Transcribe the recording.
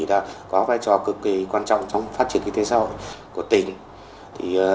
đã có vai trò cực kỳ quan trọng trong phát triển kinh tế xã hội của tỉnh